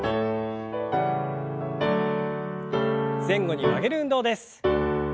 前後に曲げる運動です。